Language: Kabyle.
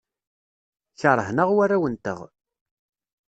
Keṛhen-aɣ warraw-nteɣ.